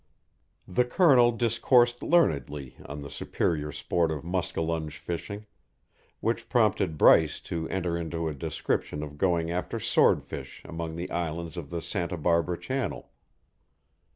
The Colonel discoursed learnedly on the superior sport of muskellunge fishing, which prompted Bryce to enter into a description of going after swordfish among the islands of the Santa Barbara channel.